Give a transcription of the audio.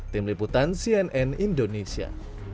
tim liputan cnn indonesia